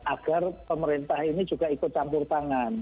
agar pemerintah ini juga ikut campur tangan